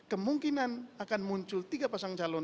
kemungkinan akan muncul tiga pasang calon